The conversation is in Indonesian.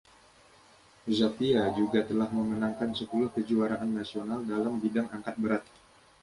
Zappia juga telah memenangkan sepuluh Kejuaraan Nasional dalam bidang angkat berat.